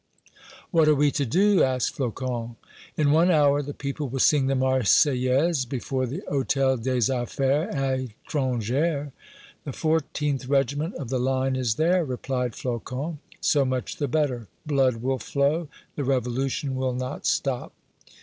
"What are we to do?" asked Flocon. "In one hour the people will sing the Marseillaise before the Hôtel des Affaires Étrangères!" "The 14th Regiment of the Line is there," replied Flocon. "So much the better! Blood will flow! The revolution will not stop!"